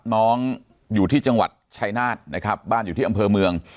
น้องอยู่ที่จังหวัดชายนาฏนะครับบ้านอยู่ที่อำเภอเมือง